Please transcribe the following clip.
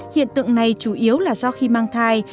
hiện tượng này chủ yếu là do khi mang thai